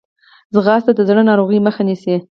ځغاسته د زړه ناروغۍ مخه نیسي